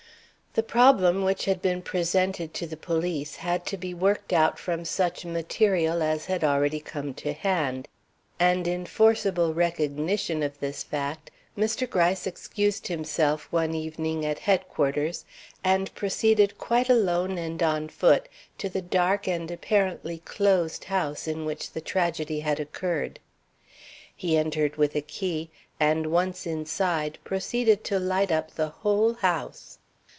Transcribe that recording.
The problem which had been presented to the police had to be worked out from such material as had already come to hand; and, in forcible recognition of this fact, Mr. Gryce excused himself one evening at Headquarters and proceeded quite alone and on foot to the dark and apparently closed house in which the tragedy had occurred. He entered with a key, and once inside, proceeded to light up the whole house.